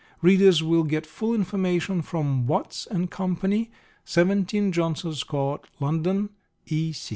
Readers will get full information from Watts & Co., 17 Johnson's Court, London, E.